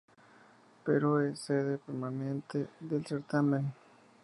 Perú es la sede permanente del certamen.